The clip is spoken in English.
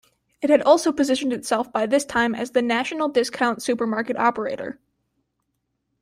It had also positioned itself by this time as the national discount supermarket operator.